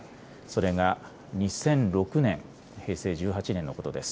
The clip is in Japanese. それが２００６年、平成１８年のことです。